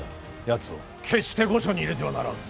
やつを決して御所に入れてはならん。